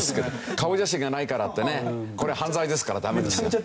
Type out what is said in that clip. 顔写真がないからってねこれ犯罪ですからダメですよ。